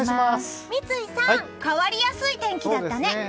三井さん変わりやすい天気だったね。